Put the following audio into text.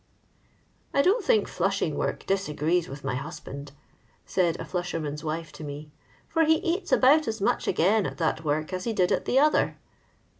"I don't think flushing work disagrees with my husband," ^aid a flushrrnmn's wife to me, '* for he eats about as much again nt that work as he did at the other."